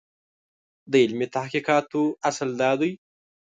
د علمي تحقیقاتو اصل دا دی.